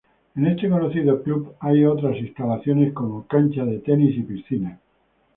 En este conocido club hay otras instalaciones como canchas de tenis y piscinas.